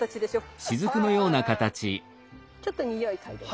ちょっとにおい嗅いでみて。